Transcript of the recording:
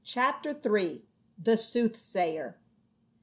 CHAPTER III. THE SOOTHSAYER.